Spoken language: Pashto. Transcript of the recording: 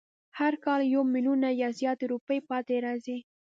هر کال یو میلیونه یا زیاتې روپۍ پاتې راځي.